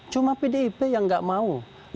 cuma pdip yang nggak mau